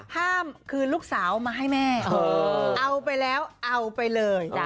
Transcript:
คืนลูกสาวมาให้แม่เอาไปแล้วเอาไปเลย